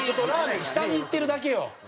下にいってるだけよ。